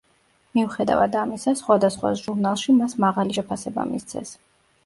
მიუხედავად ამისა, სხვადასხვა ჟურნალში მას მაღალი შეფასება მისცეს.